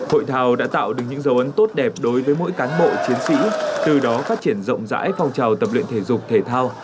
hội thảo đã tạo được những dấu ấn tốt đẹp đối với mỗi cán bộ chiến sĩ từ đó phát triển rộng rãi phòng trào tập luyện thể dục thể thao